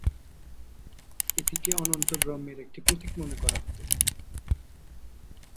এটিকে অনন্ত ব্রহ্মের একটি প্রতীক মনে করা হত।